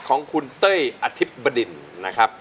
ของคุณเต้ยอธิบดินนะครับ